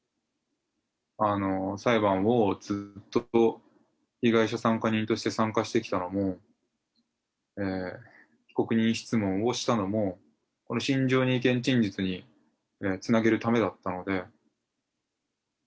裁判を、ずっと被害者参加人として参加してきたのも、被告人質問をしたのも、この心情の意見陳述につなげるためだったので。